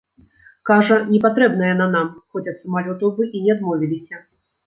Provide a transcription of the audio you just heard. Кажа, не патрэбная яна нам, хоць ад самалётаў бы і не адмовіліся.